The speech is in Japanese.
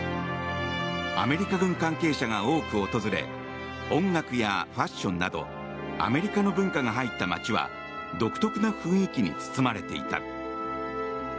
アメリカ軍関係者が多く訪れ音楽やファッションなどアメリカの文化が入った街は独特な雰囲気に包まれていた。